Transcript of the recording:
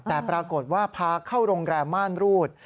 แต่ปรากฏว่าพาเข้าโรงแรมม่านรูด